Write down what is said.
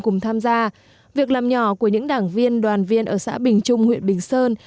cùng tham gia việc làm nhỏ của những đảng viên đoàn viên ở xã bình trung huyện bình sơn